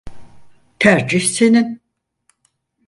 Tercih senin.